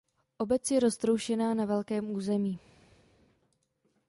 Obec je roztroušená na velkém území.